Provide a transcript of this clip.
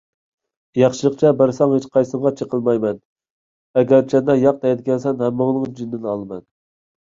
ياخشىلىقچە بەرسەڭ، ھېچقايسىڭغا چېقىلمايمەن، ئەگەرچەندە ياق دەيدىكەنسەن، ھەممىڭنىڭ جېنىنى ئالىمەن.